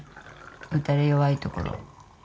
打たれ弱いところ。